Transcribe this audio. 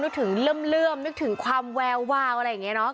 นึกถึงเลิ่มนึกถึงความว่าววางอะไรอย่างเงี้ยเนาะ